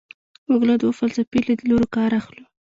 موږ له دوو فلسفي لیدلورو کار اخلو.